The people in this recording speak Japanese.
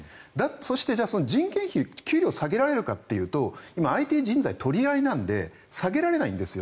そして、人件費給料を下げられるかというと今、ＩＴ人材取り合いなので下げられないんです。